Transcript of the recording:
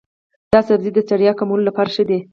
دا سبزی د ستړیا کمولو لپاره ښه دی.